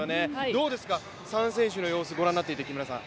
どうですか、３選手の様子ご覧になっていて、木村さん。